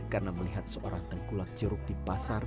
karena melihat seorang tengkulak jeruk di pasar